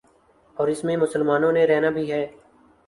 اور اس میں مسلمانوں نے رہنا بھی ہے۔